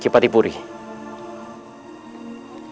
kita akan bergabung